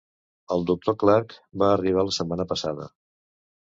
El Dr. Clark va arribar la setmana passada.